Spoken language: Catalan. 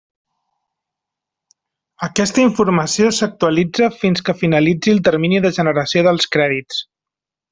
Aquesta informació s'actualitza fins que finalitzi el termini de generació dels crèdits.